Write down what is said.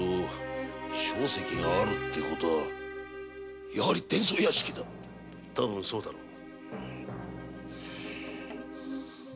硝石があるって事はやはり伝奏屋敷だ多分そうだろう。